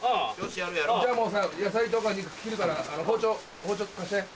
じゃあもう野菜とか肉切るから包丁。